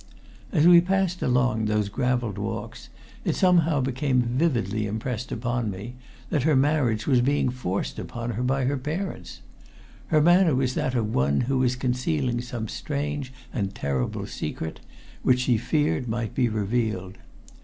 As we passed along those graveled walks it somehow became vividly impressed upon me that her marriage was being forced upon her by her parents. Her manner was that of one who was concealing some strange and terrible secret which she feared might be revealed.